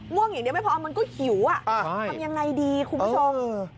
ง่วงอย่างนี้ไม่พอมันก็หิวทำอย่างไรดีคุณผู้ชม